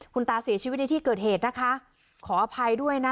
คุณตาเสียชีวิตในที่เกิดเหตุนะคะขออภัยด้วยนะคะ